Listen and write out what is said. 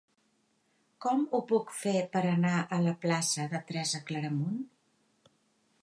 Com ho puc fer per anar a la plaça de Teresa Claramunt?